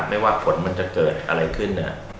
ไม่ว่าฝนมันจะเกิดอะไรขึ้น